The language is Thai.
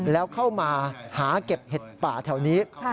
แล้วเข้ามาหาเก็บเห็ดป่าแถวนี้